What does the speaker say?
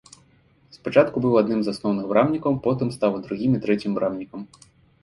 Спачатку быў адным з асноўных брамнікаў, потым стаў другім і трэцім брамнікам.